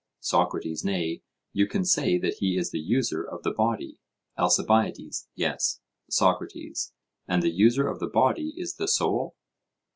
SOCRATES: Nay, you can say that he is the user of the body. ALCIBIADES: Yes. SOCRATES: And the user of the body is the soul?